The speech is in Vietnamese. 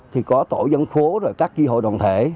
thì có tổ dân phố rồi các chi hội đoàn thể